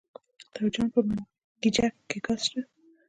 د جوزجان په منګجیک کې ګاز شته.